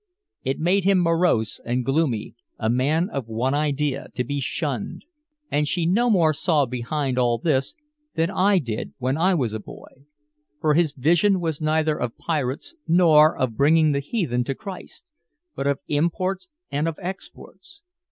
It made him morose and gloomy, a man of one idea, to be shunned. And she no more saw behind all this than I did when I was a boy. For his vision was neither of pirates nor of bringing the heathen to Christ, but of imports and of exports.